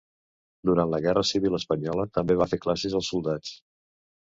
Durant la guerra civil espanyola també va fer classes als soldats.